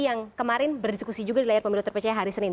yang kemarin berdiskusi juga di layar pemilu terpercaya hari senin